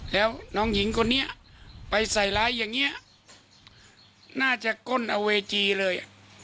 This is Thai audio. แล้วน้องหญิงคนนี้ไปใส่ร้ายอย่างนี้น่าจะก้นเอาเวทีเลย